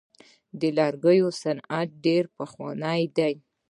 د لرګیو صنعت ډیر پخوانی دی.